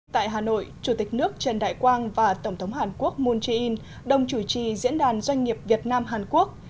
tại hà nội chủ tịch nước trần đại quang và tổng thống hàn quốc moon jae in đồng chủ trì diễn đàn doanh nghiệp việt nam hàn quốc